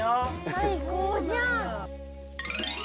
最高じゃん！